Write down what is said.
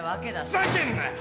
ふざけんなよ！